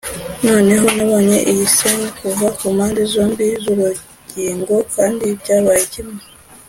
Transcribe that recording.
noneho nabonye iyi scene kuva kumpande zombi zurugingo, kandi byabaye kimwe;